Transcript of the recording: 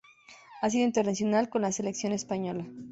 Ha sido internacional con la Selección Española.